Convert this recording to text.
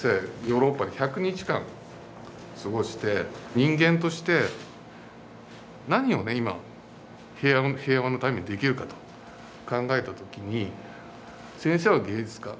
ヨーロッパで１００日間過ごして人間として何をね今平和のためにできるかと考えたときに先生は芸術家。